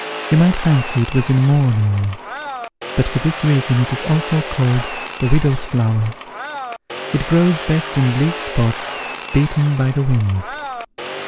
You might fancy it was in mourning; and for this reason it is also called the widow's flower. It grows best in bleak spots, beaten by the winds."